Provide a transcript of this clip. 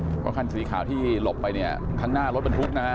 เพราะคันสีขาวที่หลบไปเนี่ยข้างหน้ารถบรรทุกนะฮะ